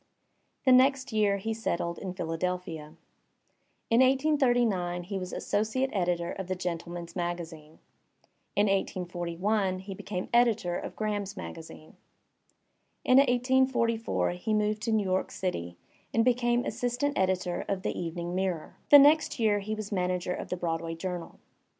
The next year he settled in Philadelphia. In 1839 he was associate editor of the Gentleman*s Magazine. In 1841 he became editor of Graham^s Magazine. In 1844 he moved to New York City and became assistant editor of the Evening Mirror. The next year he was manager of the Broadway Journal.